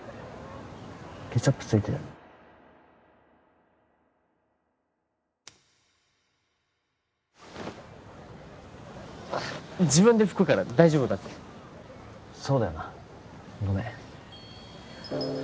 ケチャップついてる自分で拭くから大丈夫だってそうだよなごめん